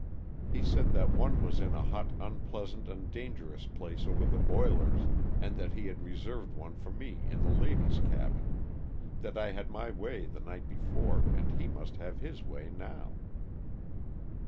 He said that one was in a hot, unpleasant and dangerous place over the boilers, and that he had reserved one for me in the ladies* cabin ; that I had my way the night before, and he must have his way now.